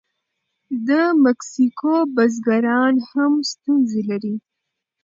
د مکسیکو بزګران هم ستونزې لري.